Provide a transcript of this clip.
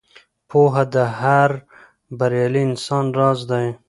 پوهه د هر بریالي انسان راز دی.